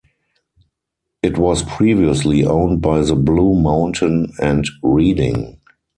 It was previously owned by the Blue Mountain and Reading.